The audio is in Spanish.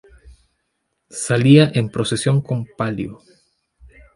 Salía en procesión con palio.